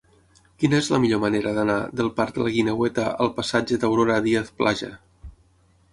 Quina és la millor manera d'anar del parc de la Guineueta al passatge d'Aurora Díaz Plaja?